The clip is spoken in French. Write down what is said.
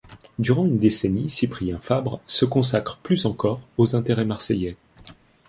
Durant une décennie, Cyprien Fabre se consacre plus encore aux intérêts marseillais.